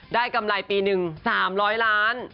กำไรปีหนึ่ง๓๐๐ล้าน